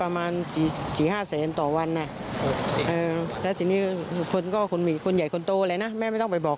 ราบไฟล์เซียให้เราก็ต้องพูดได้